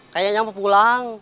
kayaknya mau pulang